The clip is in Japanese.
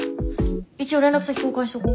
一応連絡先交換しとこ。